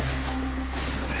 すいません。